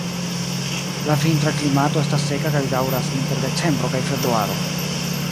La vintra klimato estas seka kaj daŭras inter decembro kaj februaro.